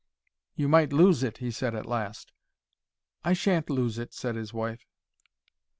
"You might lose it," he said, at last. "I sha'n't lose it," said his wife.